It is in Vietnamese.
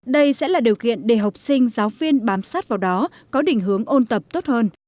đây sẽ là điều kiện để học sinh giáo viên bám sát vào đó có định hướng ôn tập tốt hơn